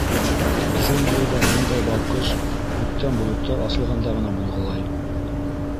Джунглиҙа бындай балҡыш күктән болоттар ағылғанда ғына булғылай.